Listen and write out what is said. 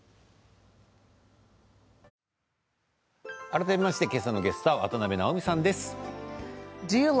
改めまして今朝のゲスト渡辺直美さんです。